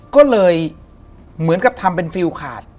ก็เลยเหมือนกับทำเป็นฟิลขาด